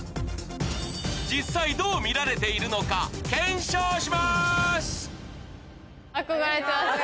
実際どう見られているのか検証します！